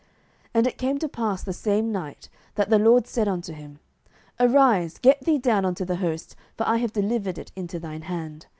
07:007:009 And it came to pass the same night, that the LORD said unto him, Arise, get thee down unto the host; for I have delivered it into thine hand.